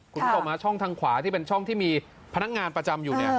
คุณผู้ชมช่องทางขวาที่เป็นช่องที่มีพนักงานประจำอยู่เนี่ย